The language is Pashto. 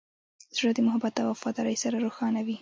زړه د محبت او وفادارۍ سره روښانه وي.